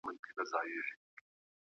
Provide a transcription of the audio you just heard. هغوی پوهیدل چې د واک توازن بدل شوی دی.